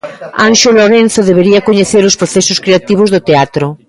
Anxo Lorenzo debería coñecer os procesos creativos do teatro.